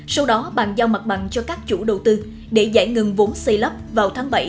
sau đó bàn giao mặt bằng cho các chủ đầu tư để giải ngừng vốn xây lấp vào tháng bảy hai nghìn một mươi bốn